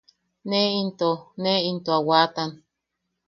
Ne into... ne into a waatan.